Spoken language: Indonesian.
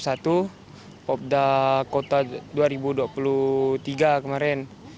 pertama itu ya pobda kota dua ribu dua puluh tiga kemarin